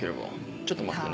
ちょっと待ってね。